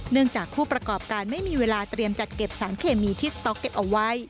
จากผู้ประกอบการไม่มีเวลาเตรียมจัดเก็บสารเคมีที่สต๊อกเก็บเอาไว้